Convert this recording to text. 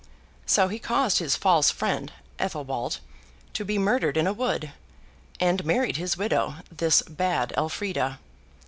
So, he caused his false friend, Athelwold, to be murdered in a wood, and married his widow, this bad Elfrida.